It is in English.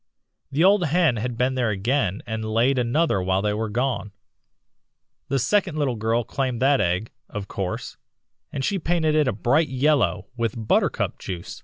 The old hen had been there again and laid another while they were gone. The second little girl claimed that egg, of course, and she painted it a bright yellow with buttercup juice.